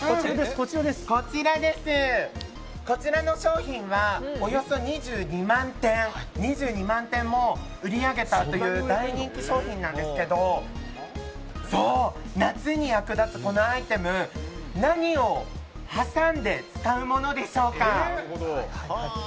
こちらの商品はおよそ２２万点も売り上げたという大人気商品なんですけど夏に役立つ、このアイテム何を挟んで使うものでしょうか？